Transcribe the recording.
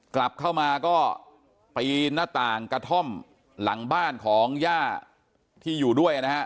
กลับเข้ามาก็ปีนหน้าต่างกระท่อมหลังบ้านของย่าที่อยู่ด้วยนะฮะ